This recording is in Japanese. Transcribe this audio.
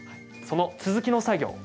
その続きの作業